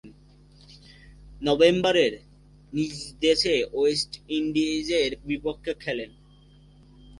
নভেম্বরে নিজ দেশে ওয়েস্ট ইন্ডিজের বিপক্ষে খেলেন।